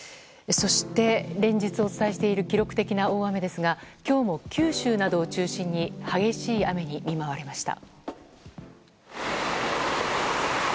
そして、連日お伝えしている記録的な大雨ですが今日も九州などを中心に激しい雨に見舞われました。